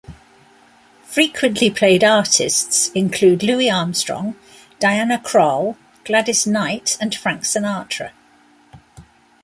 Frequently played artists include Louis Armstrong, Diana Krall, Gladys Knight and Frank Sinatra.